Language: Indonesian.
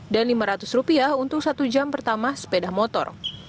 dan rp lima ratus untuk satu jam pertama sepeda motor